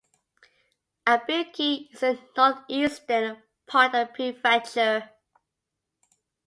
Ibuki is in the northeastern part of the prefecture.